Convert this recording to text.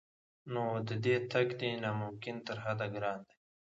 نو د دې تګ دی نا ممکن تر حده ګران دی